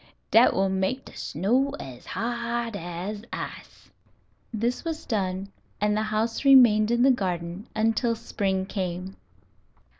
"Dat will make de snow as hard as ice." This was done, and the house remained in the garden until spring came.